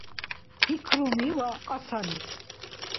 Пикруми ва кьасани